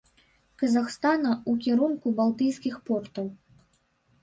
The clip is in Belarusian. Казахстана ў кірунку балтыйскіх портаў.